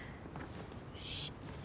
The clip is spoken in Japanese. よし。